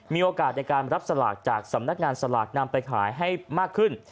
มีโอกาสในการรับสลากจากสำนักงานสลากนำไปขายให้มากขึ้น